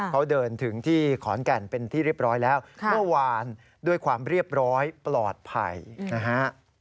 เขาเดินถึงที่ขอนแก่นเป็นที่เรียบร้อยแล้วเมื่อวานด้วยความเรียบร้อยปลอดภัยนะฮะ